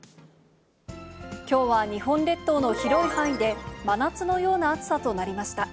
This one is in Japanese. きょうは日本列島の広い範囲で、真夏のような暑さとなりました。